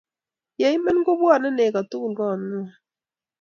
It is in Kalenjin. ya imen ko bwoni nego tugul koot ng'wang'